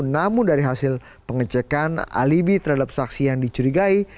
namun dari hasil pengecekan alibi terhadap saksi yang dicurigai